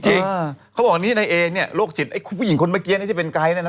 จริงเขาบอกว่านี่นายเอเนี่ยโรคจิตไอ้ผู้หญิงคนเมื่อกี้เนี่ยที่เป็นไกรเนี่ยนะ